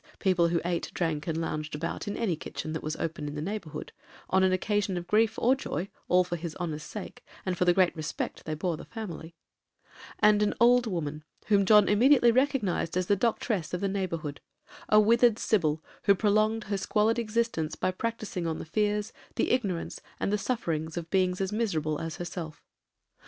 people who ate, drank, and lounged about in any kitchen that was open in the neighbourhood, on an occasion of grief or joy, all for his honor's sake, and for the great rispict they bore the family), and an old woman, whom John immediately recognized as the doctress of the neighbourhood,—a withered Sybil, who prolonged her squalid existence by practising on the fears, the ignorance, and the sufferings of beings as miserable as herself.